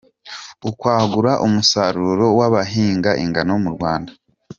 Ukwagura umusaruro w’abahinga ingano mu Rwanda